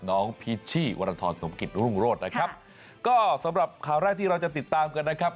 พี่พีชชี่วรทรสมกิจรุ่งโรธนะครับก็สำหรับข่าวแรกที่เราจะติดตามกันนะครับ